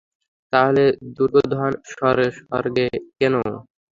তাহলে দুর্যোধন স্বর্গে কেনো?